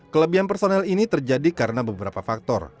kelebihan personel ini terjadi karena beberapa faktor